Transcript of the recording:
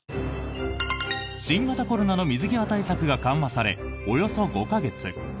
新型コロナの水際対策が緩和され、およそ５か月。